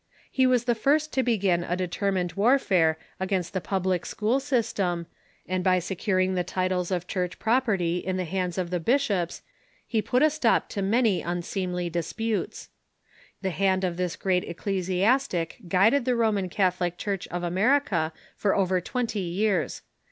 He was the first to begin a determined war fare against the public school system, and by securing the titles of Church property in the hands of the bishops he put a stop to many unseemly disputes. The hand of this great eccle siastic guided the Roman Catholic Church of America for over twenty years.